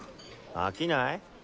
飽きない？